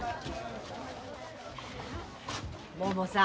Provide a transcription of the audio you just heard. ももさん